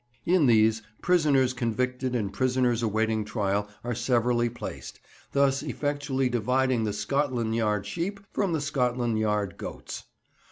In these, prisoners convicted and prisoners awaiting trial are severally placed, thus effectually dividing the Scotland Yard sheep from the Scotland Yard goats.